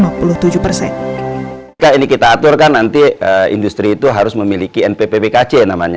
ketika ini kita atur kan nanti industri itu harus memiliki npp bkc namanya